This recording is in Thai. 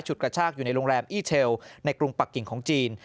กระชากอยู่ในโรงแรมอี้เชลในกรุงปักกิ่งของจีน